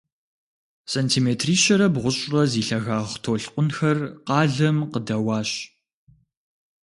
Сантиметрищэрэ бгъущӏрэ зи лъагагъ толъкъунхэр къалэм къыдэуащ.